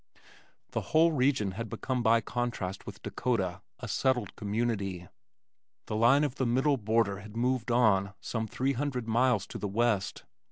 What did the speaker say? The whole region had become by contrast with Dakota, a "settled" community. The line of the middle border had moved on some three hundred miles to the west.